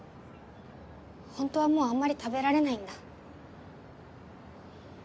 ホントはもうあんまり食べられないんだ。